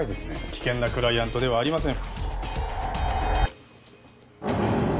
危険なクライアントではありません。